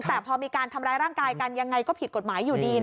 แต่พอมีการทำร้ายร่างกายกันยังไงก็ผิดกฎหมายอยู่ดี